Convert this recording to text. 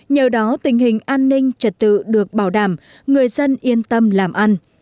nhờ đó tình hình an ninh trật tự được bảo đảm người dân yên tâm làm ăn